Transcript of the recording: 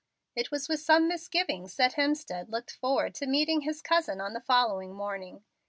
It was with some misgivings that Hemstead looked forward to meeting his "cousin," on the following morning.